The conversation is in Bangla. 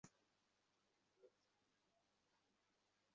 উভয় কুকুরকে আমাদের পক্ষ থেকে আন্তরিক অভিনন্দন।